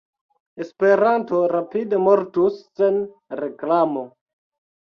Esperanto rapide mortus sen reklamo.